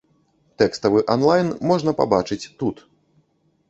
Тэкставы анлайн можна пабачыць тут.